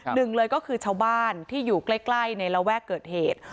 หนึ่งเลยก็คือชาวบ้านที่อยู่ใกล้ในระแวกเกิดเหตุ